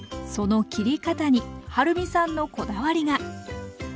その切り方にはるみさんのこだわりが！